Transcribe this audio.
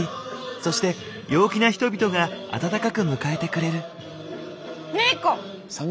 そして陽気な人々が温かく迎えてくれる。